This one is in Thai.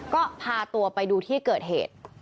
ก็พาตัวไปดูที่เกิดเหตุ